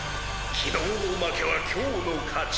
昨日の負けは今日の勝ち。